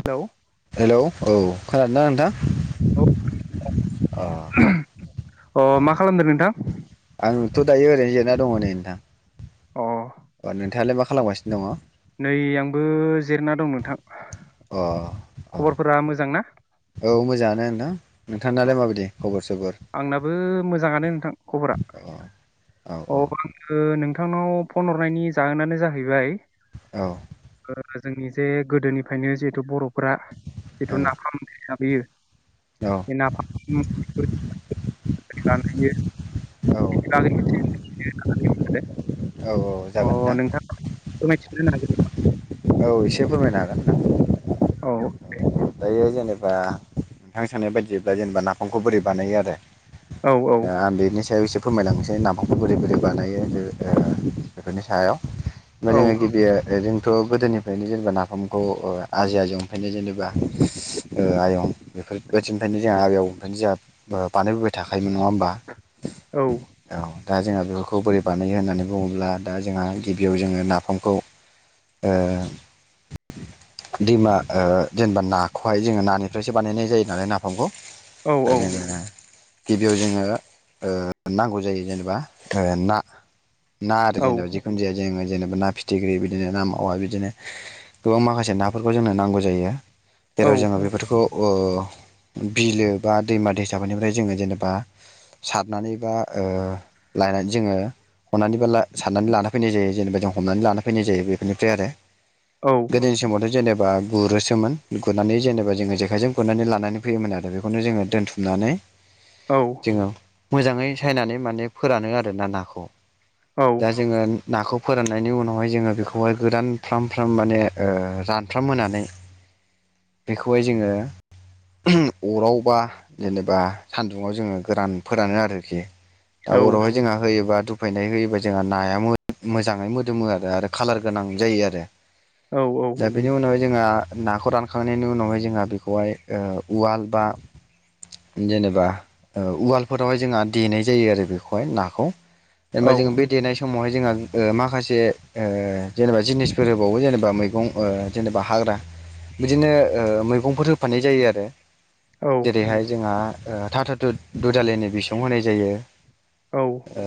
Hello hello! औ। खोनादों ना नोंथां? अ अ मा खालामदों नोंथां? थ' दायो ओरैनो जिरना दङ नै नोंथां। [unintelligible] अ नोंथाङालाय मा खालामगासिनो? दङ अ नै आंबो जिरायना दं नोंथां। अ अ खबरफोरा मोजां ना औ मोजाङानो। अ नोंथांनालाय माबायदि [unintelligible] आंनाबो मोजाङानो नोंथां खबरा। अ औ अ औ आङो नों नोंथांनाव फन हरनायनि जाहोनानो जाहैबाय औ। ओ जोंनि जे गोदोनिफ्रायनो जिहेथु बर' फ्रा औ जिथु नाफाम [unintelligible] बे नाफाम बानायो बागै औ। [unintelligible] औ अ जागोन नोंथां मिथि [unintelligible] औ एसे फोरमायनो हागोन नोंथां। [unintelligible] [inaudible] बे जेनेबा नोंथां साननाय बादियैब्ला जेनेबा नाफामखौ बोरै बानायो आरो औ आ [unintelligible] फोरमायलांनोसै नाफामखौ बोरै बोरै बानायो बेफोरनि सायाव? थ' औ जोङो गिबियै थ' गोदोनिफ्रायनो जेनेबा नाफामखौ ओ आवंजै-आजौ निफ्रायनो जेनेबा आयं बेफोरबायदिनिफ्रायनो जोंहा आबै आबौनिफ्रायनो जोंहा बानायबोबाय थाखायोमोन नोङा होमबा। औ औ दा जोंहा बेफोरखौ बोरै बानायो होननानै बुङोब्ला दा जोंहा गिबियाव जोङो नाफामखौ ओ दैमा ओ जेनेबा नाखौहाय जोङो नानिफ्रायसो बानायनाय जायो नालाय नाफामखौ औ आरो गिबियाव जोङो ओ नांगौ जायो जेनेबा ओ ना ना आरो औ जेनबा जिखुन जाया जोंङो जेनबा ना फिथिख्री बि बिदिनो ना मावा बिदिनो गोबां माखासे नाफोरखौ जोंनो नांगौ जायो जेराव जोङो बेफोरखौ ओ बिलो बा दैमा दैसाफोरनिफ्राय जोङो जेनेबा सारनानै बा ओ लायनानै जोङो हमनानै बा सारनानै लाना फैनाय जायो जेनेबा जों हमनानै लाना फैनाय जायो बेफोरनिफ्राय आरो गोदोनि समावथ' जेनेबा बा गुरोसोमोन गुरनानै जेनेबा जोङो जेखाइजों गुरनानै लानानै फैयोमोन आरो बेखौनो जोङो दोनथुमनानै जोङो मोजाङै सायनानै माने फोरानो आर ना नाखौ औ दा जोङो नाखौ फोरोंनायनि उनावहाय जोङो बेखौ बेखौहाय गोरान फ्राम फ्राम माने रानफ्राम होनानै बेखौहाय जोङो अराव बा जेनेबा सानदुंङाव जोङो गोरान फोरानो आरोखि दा औ अरावहाय जोंहा होयोबा दु होफैनाय होयोब्ला जोंहा नाया मोजाङै मोदोमो आरो आरो खालार गोनां जायो आरो औ दा बेनि उनाव जोंहा नाखौ रानखांनायनि उनावहाय जोंहा बेखौहाय उवाल बा जेनेबा उवालफोरावहाय जोंहा देनाय जायो आरो बेखौहाय नाखौ औ जेनेबा जोङो बे देनाय समावहाय जोंहा माखासे ओ जेनेबा जिनिसफोर होबावो जेनेबा मैगं ओ जेनेबा हाग्रा बिदिनो मैगंफोर होफानाय जायो आरो औ जेरैहाय जोंहा थाथथुद दुदालिनि बिसं होनाय जायो औ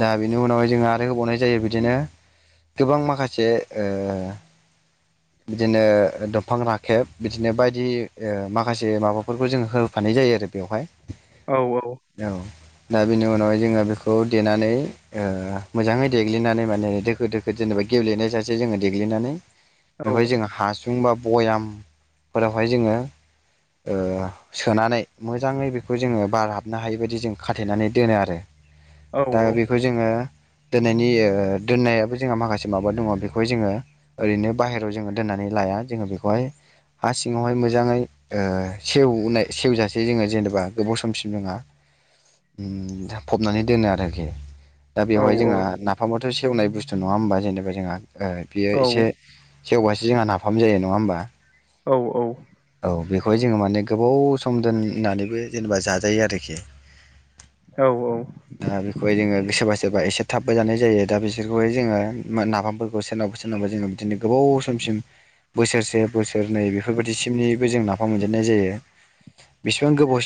दा बे उनावाय जों आरो होबावनाय जायो बिदिनो गोबां माखासे ओ बिदिनो दंफां राखेब बिदिनो बायदि माखासे माबाफोरखौ जोंङो होफानाय जायो आरो बेवहाय औ औ औ दा बिनि उनावहाय जोङो बेखौ देनानै ओ मोजाङै देग्लिनानै माने दोखो दोखो जेनेबा गेेब्लेनाय जासे जोङो देगलिनानै औ ओमफ्राय जों हासुं जोंबा भयामफोरावहाय जोङो सोनानै मोजाङै बेखौ जोङो बार हाबनो हायि बायदि जों खाथेनानै दोनो आरो औ दा बेखौ जोङो दोननायनि दोननायाबो जोंहा माखासे माबा दङ बेखौहाय जोङो ओरैनो बाहेरायाव जोङो दोननानै लाया जोङो बेखौहाय हा सिङावहाय मोजाङै ओ सेवनाय सेवजासे जोङो जेनेबा गोबाव समसिम जोंहा फबनानै दोनो आरोखि दा औ बेवहाय जोंहा नाफामाथ' सेवनाय बुस्थु थु नङा होनबा जेनेबा जोंहा ओ बियो इसे सेवबासो जोंहा नाफाम जायो नङा होनबा औ औ बेखौ जोङो माने गोबाव सम दोननानैबो जेनेबा जाजायो आरोखि औ दा बेखौहाय जोङो गोसोबाय सोरोबा एसे थाबबो जानाय जायो दा बिसोर जोङो नाफामफोरखौ सोरनावा सोरनावबा जोङो बिदिनो गोबाव समसिम बोसोरसे बोसोर सोरनै बेफोर बायदिसिमनिबो जों ना बिफां मोनजेननाय जायो बेसेबां गोबाव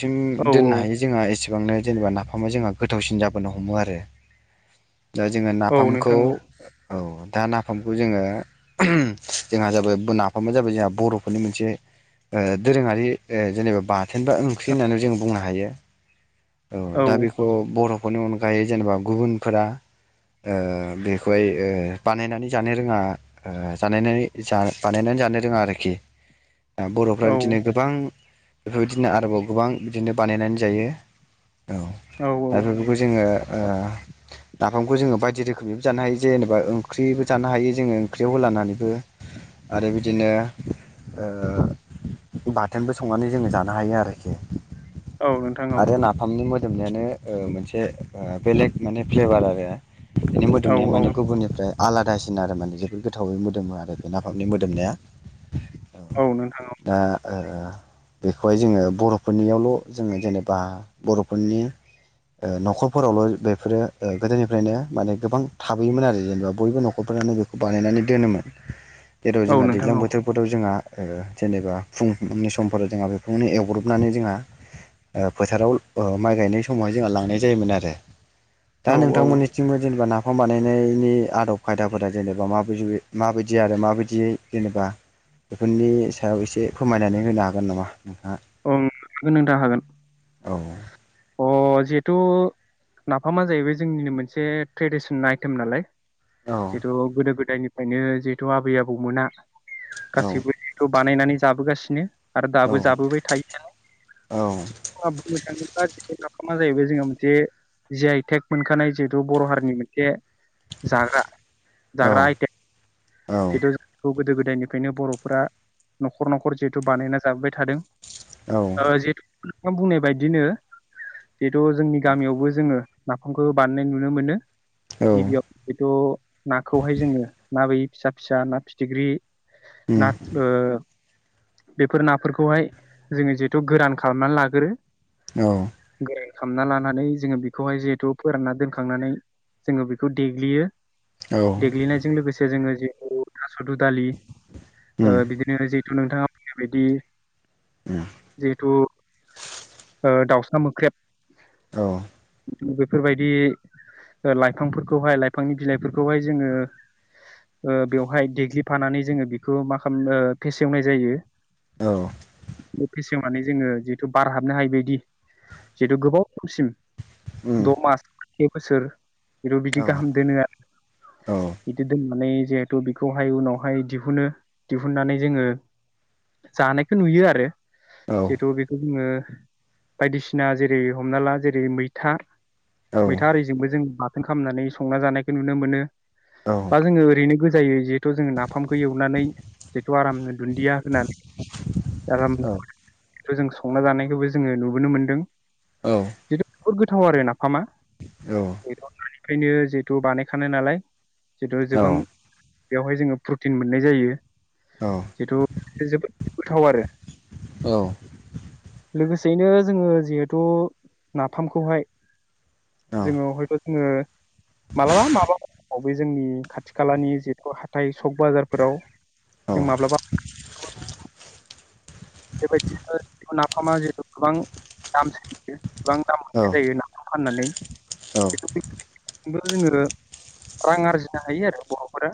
औ दोननो हायो जोंहा एसे एसेबांनो जेनेबा नाफामा जोंहा गोथावसिन जाबोनो हमो आरो दा जोङो औ नाफाम खौ नोंथां औ दा नाफामखौ जोङो जोंहा जाबाय नाफामा जाबाय जोंहा बर'फोरनि मोनसे ओ दोरोङारि जेनेबा बाथोन बा ओंख्रि होननानै जों बुंनो हायो औ दा बेखौ बरफ बेनि अनगायै जेनेबा गुबुनफोरा ओ बेखौहाय ओ बानायनानै जानो रोङा जानाय बानायनानै जानो रोङा आरोखि बर'फ्रा औ बिदिनो गोबां बेफोरबायदिनो आरोबाव गोबां बिदिनो बानायनानै जायो औ दा बेफोरखौ जोङो ओ नाफामखौ जो बायदि रोखो खोमैबो जानो हायो जेनेबा ओंख्रिबो जानो हायो जोङो ओंख्रियाव लानानैबो आरो बिदिनो ओ बाथोनबो संनानै जोङो जानो हायो आरोखि औ नोंथां औ आरो नाफामनि मो जोमनायानो ओ मोनसे बेलेग माने फ्लेभार आरो बेनि औ नोंथां औ नोंथां औ मोदोमनाया औ माने गुबुननिफ्राय आलादासिन आरो माने जोबोद गोथावै मोदोमो आरो बे नाफामनि मोदोमनाया औ नोंथाङा दा ओ बेखौहाय जोङो बर'फोरनियावल' जोङो जेनेबा बर'फोरनि ओ न'खरफोरावल' बेफोरो गोदोनिफ्रायनो माने गोबां थाबोयोमोन आरो जेनेबा बयबो न'खरफोरानो बेखौ बानायनानै दोनोमोन जेराव जोंहा दैज्लां बोथोरफोराव जोंहा ओ जेनेबा फुंनि समफोराव जोंहा बेफोरखौनो एवब्रबनानै जोंहा ओ फोथाराव ओ माइ गायनाय समावहाय जोंहा लांनाय जायोमोन आरो दा नोंथांमोननि जेनेबा नाफाम बानायनायनि आदब खायदाफोरा जेनेबा माबाय माबायदि आरो माबायदियै जेनेबा बेफोरनि सायाव एसे फोरमायनानै होनो हागोन नामा नोंथाङा औ हागोन‌ नोंथा हागोन औ अ जिहेथु नाफामा जाहैबाय जोंनिनो मोनसे ट्रेडिसन आइटेम नालाय औ जिथ' गोदो गोदायनि फ्रायनो जिहेथु आबै आबौमोना औ गासैबो जिहेतु बानायनानै जाबोगासिनो आरो औ दाबो जाबोबाय थायो औ [unintelligible] [unintelligible] जाहैबाय जोंहा मोनसे जि आइ टेक मोनखानाय जिहेथु बर' हारिनि मोनसे जाग्रा औ जाग्रा आइटेम औ जिहेथु जों गोदो गोदायनिफ्रायनो बर'फोरा न'खर न'खर जिहेथु बानायना जाबोबाय थादों ओ जिहेथु [unintelligible] नों बुंनाय बायदिनो जिहेथु जोंनि गामियावबो जोङो नाफामखौ बानायनाय नुनो मोनो औ गिबियाव हयथ' नाखौहाय जोङो [unintelligible] फिसा फिसा ना फिथिख्रि उम ना ओ बेफोर नाफोरखौहाय जोङो जिहेथु गोरान खालामनानै लागोरो औ खालामना लानानै जोङो बेखौहाय जिहेथु फोरानना दोनखांनानै जोङो बेखौ देग्लियो औ देग्लिनायजों लोगोसे जोङो [unintelligible] सदु दालि ओ उम बिदिनो जि हेतु नोंथाङा बुंनाय बायदि उम जिहेथु ओ दाउ सा मोख्रेब औ बेफोरबायदि लाइफांफोरखौहाय लाइफांनि बिलाइफोरखौहाय जोङो ओ बेवहाय ग्लिफानानै जोङो बेखौ मा खामो फेसेवनाय जायो औ बे फेसेवनानै जोङो जिहेतु बार हाबनो हायि बदि जिहेथु गोबाव समसिम उम द' मास से बोसोर ज' औ बिदि गाहाम दोनो औ बिदि दोननानै जिहेथु बेखौहाय उनावहाय दिहुनो दिहुननानै जोङो जानायखौ नुयो आरो औ जिहेथु बेखौ जोङो बायदिसिना जेरै हमना ला जेरै मैथा औ मैथा आरिजोंबो जों खालामनानै संना जानायखौ नुनो मोनो औ बा जोङो ओरैनो जायो [unintelligible] थ' जोङो नाफामखौ एवनानै जिथु आरामनो दुन्दिया होनानै आरामनो औ जों संना जानायखौबो जोङो नुबोनो मोन्दों औ बुहत गोथाव आरो ना ह मा ओमायनो जिहेथु बानायखानाय नालाय जिथु जेबां बेवहाय जोङो प्रटिन मोननाय जायो जिथु [unintelligible] जोबोद गोथाव आरो औ सेयैनो जोङो जिहेथु नाफामखौहाय जोङो औ हयथ' जोङो मालाबा माबला अ बे जोंनि खाथि खालानि [unintelligible] खौ हाथाइ सक बाजारफोराव जों माब्लाबा बेबायदिनो नाफामा जिथु गोबां दाम सोलियो गोबां दाम मोननाय जायो नाफामखौ फाननानै जोङो रां आरजिनो हायो आरो बर'फोरा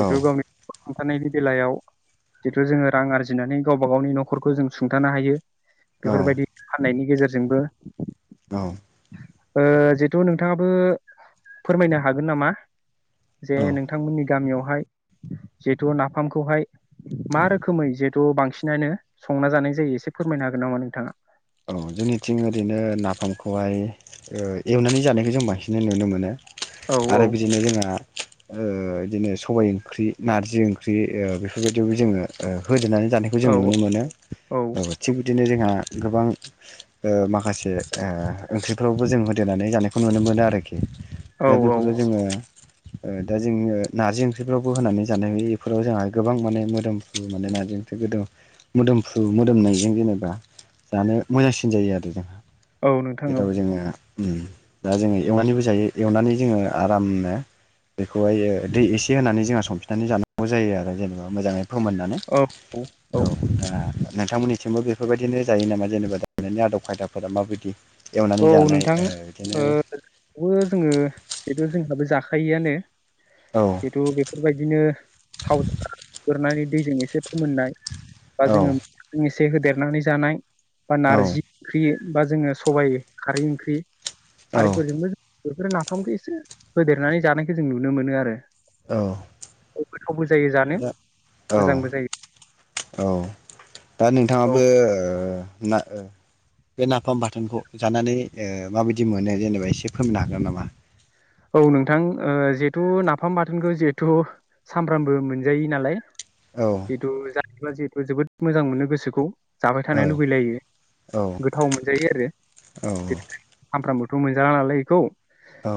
बेथ गावनि हमथानायनि बेलायाव जिथु जोङो रां आरजिनानै गाव गावबा गावनि न'खरखौ जों सुंथानो हायो बेफोरबायदि फाननायनि गेजेरजोंबो औ ओ जिथु नोंथाङाबो फोरमायनो हागोन नामा जे औ नोंथांमोननि गामियावहाय जिथु नाफामखौहाय मा रोखोमै जिहेतु बांसिन [unintelligible] संना जानाय जायो एसे फोरमायनो हागोन नामा नोंथाङा औ जोंनिथिं ओरैनो नाफामखौहाय एवनानै जानायखौ जों बांसिन नुनो मोनो औ औ आरो बिदिनो जोंहा ओ इदिनो सबाय ओंख्रि नारजि ओंख्रि ओ बेफोरबायदियावबो जोङो होजनानै जानायखौ औ जों नुनो मोनो औ ओ थिग बिदिनो जोंहा गोबां ओ माखासे ओंख्रिफ्रावबो जों होदेरनानै जानायखौ नुनो मोनो आरोखि दा औ औ बेफोरो जोङो दा जोङो नारजि ओंख्रिफ्रावबो होनानै जानाययो बेफोराव जोंहा गोबां माने मोदोमफ्रु मोनो नारजि ओंख्रि गोद मोदोमफ्रु मोदोमनायजों जेनेबा जानो मोजांसिन थिग जायो आरो जोंहा औ नोंथां औ बेदाव जोङो ओम दा जोङो एवनानैबो जायो एवनानै जोङो आरामनो बेखौहाय दै एसे होनानै जोंहा संफिननानै जानांगौ जायो आरो जेनेबा मोजाङै फोमोननानै औ औ दा नोंथांमोननिसिमबो बेफोरबायदिनो जायो नामा जेनेबा दा गेलनायनि आदब खायदाफोरा माबायदि औ एवनानै जानाय नोंथां ओ ओ बिदिनो बो जोङो बेथ' जोंहाबो जाखो थाखायोआनो औ जिहेतु बेफोरबायदिनो थाव गोरनानै बे जों एसे मोननाय बा औ जोङो से होदेरनानै जानाय बा औ नारजि ओंख्रि बा जोङो सबाइ खारै ओंख्रि औ आरोथ' बेफोरो नाफामखौ एसे होदेरनानै जानायखौ जों नुनो मोनो आरो औ गोथावबो जायो जानो दा औ मोजांबो जायो औ दा नों औ थाङाबो ओ बे नाफाम बाथोनखौ जानानै ओ माबायदि मोनो जेनेबा एसे फोमनो हागोन नामा औ नोंथां जहेथु नाफाम बाथोनखौ जिहेथु सामफ्रामबो मोनजायो नालाय औ जिथु जा जिहेतु जोबोद मोजां मोनो गोसोखौ जाबाय औ थानो लुबैलायो औ गोथाव मोनजायो आरो औ सामफ्रामबो [unintelligible] नालाय एखौ औ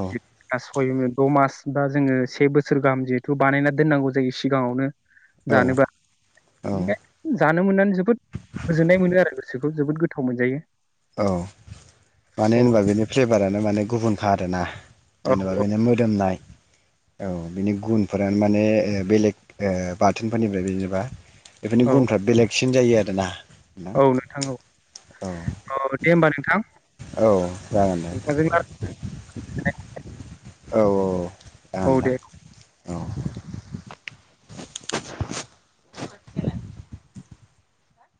सय द' मास बा जोङो से बोसोर गाहाम जिहेथु बानायना दोननांगौ जायो सिगाङावनो औ जानोबा औ बेनिखायनो जानो मोननानै जोबोद गोजोननाय मोनो आरो गोसोखौ बेखौ जोबोद गोथाव मोनजायो औ माने अ होनबा बेनि फ्लेभारानो माने गुबुनखा आरोना औ धन्यबा बेनो मोदोम नाय औ बिनि गुनफोरानो माने बेलेग ओ बाथोनफोरनिफ्राय जेनेबा बेबायदि औ गुनफ्रा बेलेगसिन जायो आ ना औ नोंथां औ [unintelligible] दे ओमबा नोंथां औ जागोन दे नोंथांजों [unintelligible] औ औ जागोन औ नोंथां दे औ [unintelligible] बिनो